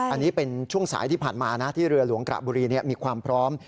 อันนี้เป็นช่วงสายที่ผ่านมานะที่เรือหลวงกระบุรีมีความพร้อม